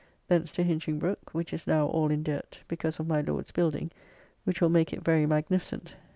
Thence to Hinchingbroke, which is now all in dirt, because of my Lord's building, which will make it very magnificent.